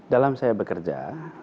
dalam saya bekerja